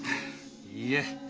いいえ。